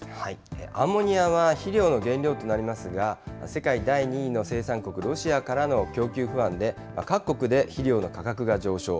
アンモニアは肥料の原料となりますが、世界第２位の生産国、ロシアからの供給不安で、各国で肥料の価格が上昇。